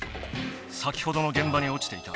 先ほどの現場におちていた。